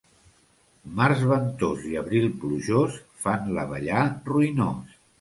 Març ventós i abril plujós fan l'abellar ruïnós.